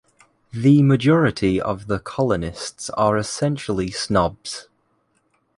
The majority of the colonists are essentially snobs.